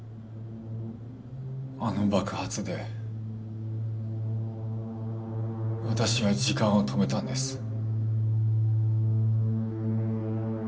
あの爆発で私は時間を止めたんです。